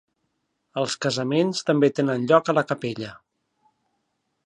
Els casaments també tenen lloc a la capella.